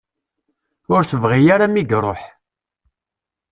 Ur teḅɣi ara mi i iruḥ.